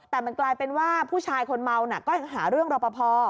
แต่มันกลายเป็นว่าผู้ชายคนเมาน่ะก็หาเรื่องรอปภ